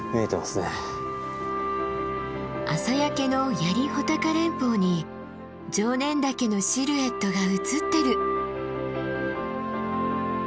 朝焼けの槍・穂高連峰に常念岳のシルエットが映ってる。